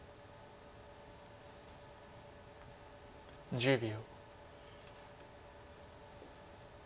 １０秒。